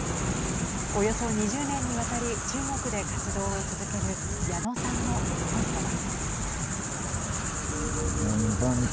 およそ２０年にわたり中国で活動を続ける矢野さんの思いとは。